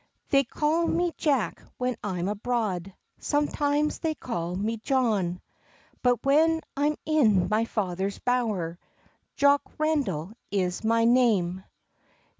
"They call me Jack when I'm abroad, Sometimes they call me John; But when I'm in my father's bower Jock Randal is my name."